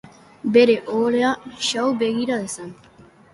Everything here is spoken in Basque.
Bere ohorea xahu begira dezan.